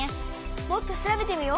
もっと調べてみよう！